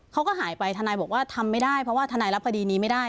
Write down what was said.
เขาก็หายไปทนายบอกว่าทำไม่ได้เพราะว่าทนายรับคดีนี้ไม่ได้